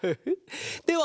では